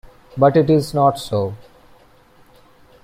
But it is not so.